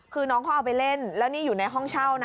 คือน้องเขาเอาไปเล่นแล้วนี่อยู่ในห้องเช่านะ